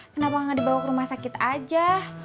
kenapa nggak dibawa ke rumah sakit aja